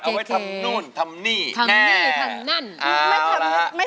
เอาไว้ทำโน่นทำนี่แน่